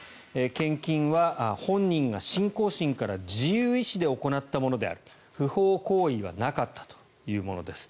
献金は本人が信仰心から自由意思で行ったものである不法行為はなかったというものです。